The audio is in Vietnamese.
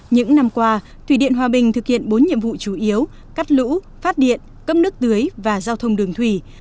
những năm qua thủy điện hòa bình thực hiện bốn nhiệm vụ chủ yếu cắt lũ phát điện cấp nước tưới và giao thông đường thủy